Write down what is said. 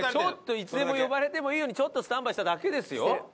いつでも呼ばれてもいいようにちょっとスタンバイしただけですよ。